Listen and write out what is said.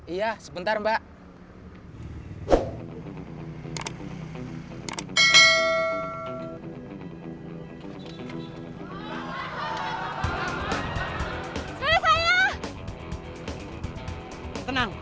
iya sebentar mbak